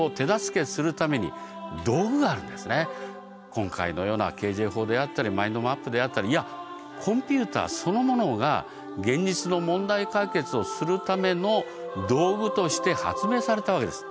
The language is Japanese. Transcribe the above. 今回のようなＫＪ法であったりマインドマップであったりいやコンピューターそのものが現実の問題解決をするための道具として発明されたわけです。